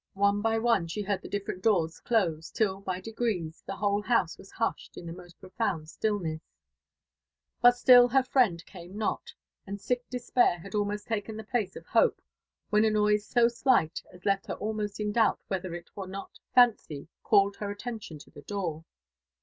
One by one she heard the different doors close, till by degrees the whole house was hushed in the most profound stillness : but still her friend came not, and sick despair had almost taken the place of hope, when a noise so slight as left her almost in doubt whether it were not fancy, called her attention to the door.